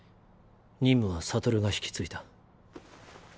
任務は悟が引き継いだ。